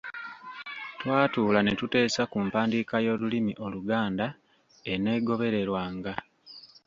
Twatuula ne tuteesa ku mpandiika y'olulimi Oluganda eneegobererwanga.